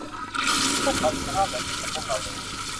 พวกเขามีสภาพเหมือนกันกับพวกเราเลย